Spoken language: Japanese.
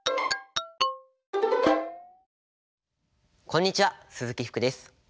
こんにちは鈴木福です。